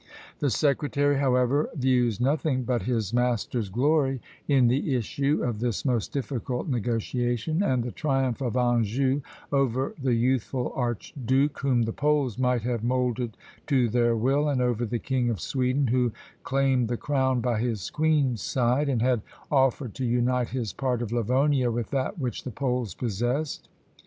The secretary, however, views nothing but his master's glory in the issue of this most difficult negotiation; and the triumph of Anjou over the youthful archduke, whom the Poles might have moulded to their will, and over the King of Sweden, who claimed the crown by his queen's side, and had offered to unite his part of Livonia with that which the Poles possessed.